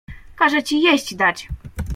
"Każę ci jeść dać."